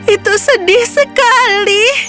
itu sedih sekali